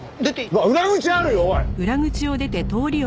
うわっ裏口あるよおい！